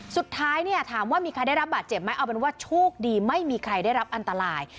สุดท้ายเนี่ยถามว่ามีใครได้รับบาดเจ็บไหมเอาเป็นว่าโชคดีไม่มีใครได้รับอันตราย